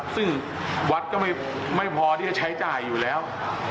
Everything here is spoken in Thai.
ซึ่งวัดก็ไม่พอที่จะใช้จ่ายอยู่แล้ว